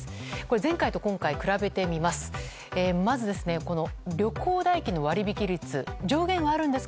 前回と今回を比べてみます。